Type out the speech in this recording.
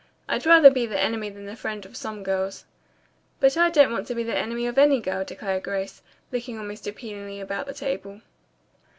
"I'd rather be the enemy than the friend of some girls." "But I don't want to be the enemy of any girl," declared Grace, looking almost appealingly about the table.